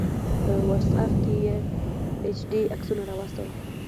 په واټس آپ کې یې ایچ ډي عکسونه راواستول